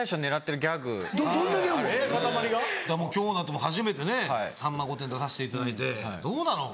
今日だって初めて『さんま御殿‼』出させていただいてどうなの？